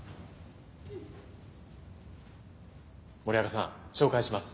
森若さん紹介します。